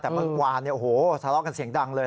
แต่เมื่อวานเนี่ยโอ้โหทะเลาะกันเสียงดังเลย